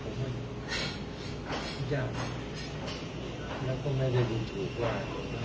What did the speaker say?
ผมพูดผมมองกันผมไม่รู้ยากมากแล้วก็ไม่ได้รู้ถูกว่า